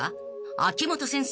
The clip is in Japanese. ［秋元先生